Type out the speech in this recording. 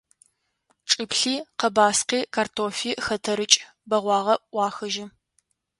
Чӏыплъи, къэбаскъи, картофи – хэтэрыкӏ бэгъуагъэ ӏуахыжьы.